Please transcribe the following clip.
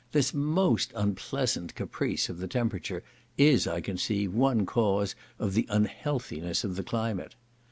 This most unpleasant caprice of the temperature is, I conceive, one cause of the unhealthiness of the climate.